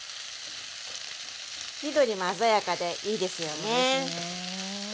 緑も鮮やかでいいですよね。